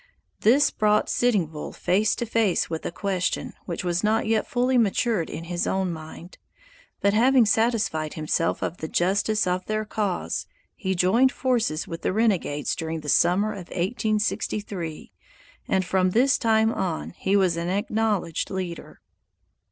This brought Sitting Bull face to face with a question which was not yet fully matured in his own mind; but having satisfied himself of the justice of their cause, he joined forces with the renegades during the summer of 1863, and from this time on he was an acknowledged leader.